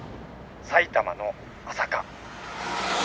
埼玉の朝霞。